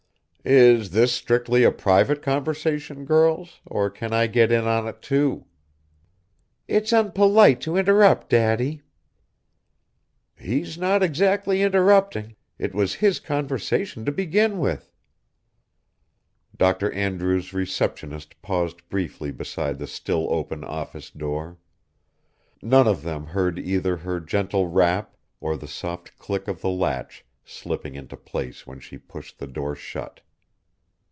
(Is this strictly a private conversation, girls, or can I get in on it, too?) (It's unpolite to interrupt, Daddy.) (He's not exactly interrupting it was his conversation to begin with!) Dr. Andrews' receptionist paused briefly beside the still open office door. None of them heard either her gentle rap or the soft click of the latch slipping into place when she pushed the door shut.